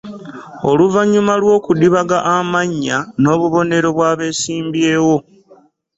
Oluvannyuma lw'okudibaga amannya n'obubonero bw'abeesimbyewo